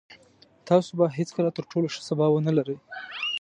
تاسو به هېڅکله تر ټولو ښه سبا ونلرئ.